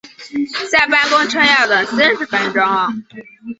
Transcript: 下班公车要等四十分钟